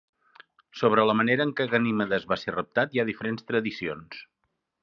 Sobre la manera en què Ganimedes va ser raptat, hi ha diferents tradicions.